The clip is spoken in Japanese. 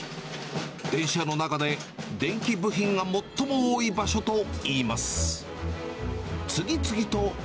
電車の中で電気部品が最も多い場所といいます。